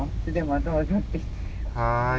はい。